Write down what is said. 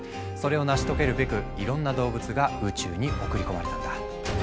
それを成し遂げるべくいろんな動物が宇宙に送り込まれたんだ。